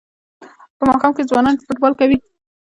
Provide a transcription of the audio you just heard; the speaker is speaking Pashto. په ماښام کې ځوانان فوټبال کوي.